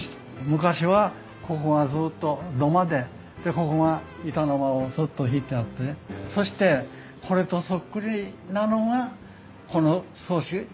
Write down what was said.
昔はここがずっと土間でここが板の間をずっと敷いてあってそしてこれとそっくりなのがこの少し向こうにあるろうそく屋さん。